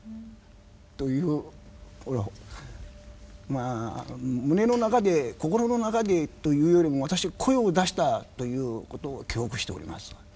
まあ胸の中で心の中でというよりも私声を出したということを記憶しております。